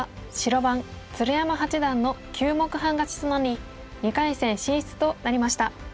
鶴山八段の９目半勝ちとなり２回戦進出となりました。